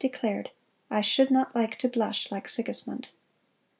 declared, "I should not like to blush like Sigismund."